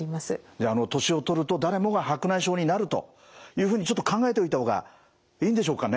じゃああの年を取ると誰もが白内障になるというふうにちょっと考えておいた方がいいんでしょうかね？